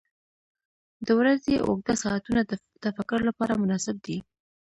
• د ورځې اوږده ساعتونه د تفکر لپاره مناسب دي.